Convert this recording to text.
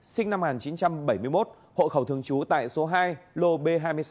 sinh năm một nghìn chín trăm bảy mươi một hộ khẩu thường trú tại số hai lô b hai mươi sáu